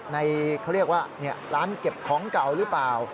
ในเขาเรียกว่าร้านเก็บของเก่าหรือเปล่า